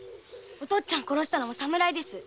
おとっつぁん殺したのも侍です。